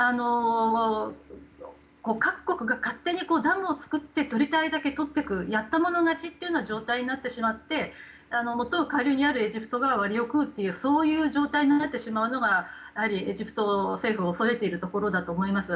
各国が勝手にダムを造って取りたいだけ取っていくやったもの勝ちというような状態になってしまってもっとも下流にあるエジプトが割を食うというそういう状態になってしまうのがエジプト政府は恐れているところだと思います。